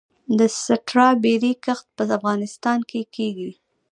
د سټرابیري کښت په افغانستان کې کیږي؟